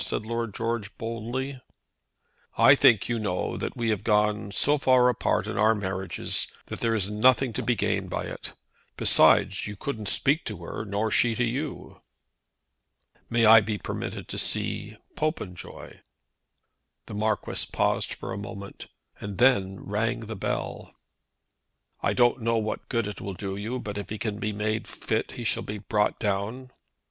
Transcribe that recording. said Lord George boldly. "I think, you know, that we have gone so far apart in our marriages that there is nothing to be gained by it. Besides, you couldn't speak to her, nor she to you." "May I be permitted to see Popenjoy?" The Marquis paused a moment, and then rang the bell. "I don't know what good it will do you, but if he can be made fit he shall be brought down."